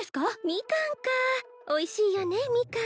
ミカンかおいしいよね